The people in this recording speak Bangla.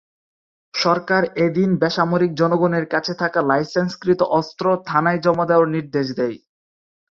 সরকার এদিন বেসামরিক জনগণের কাছে থাকা লাইসেন্সকৃত অস্ত্র থানায় জমা দেয়ার নির্দেশ দেয়।